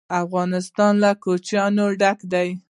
افغانستان له کوچیان ډک دی.